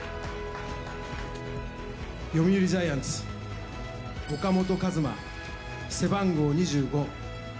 読売ジャイアンツ、岡本和真、背番号２５。